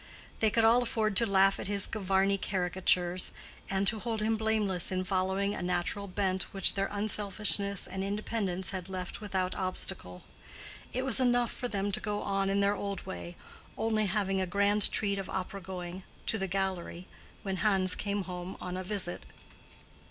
They could all afford to laugh at his Gavarni caricatures and to hold him blameless in following a natural bent which their unselfishness and independence had left without obstacle. It was enough for them to go on in their old way, only having a grand treat of opera going (to the gallery) when Hans came home on a visit.